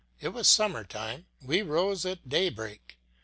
It was summer time; we rose at daybreak.